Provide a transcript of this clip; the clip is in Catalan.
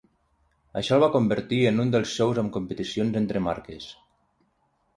Això el va convertir en un dels shows amb competicions entre marques.